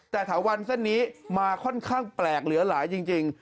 แต่ถาวันเส้นนี้มาค่อนข้างแปลกเหลือหลายจริง